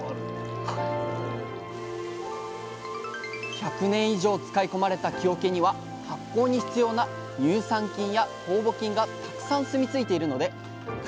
１００年以上使い込まれた木桶には発酵に必要な乳酸菌や酵母菌がたくさん住みついているので蔵